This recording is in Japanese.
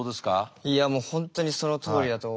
いやもう本当にそのとおりだと思います。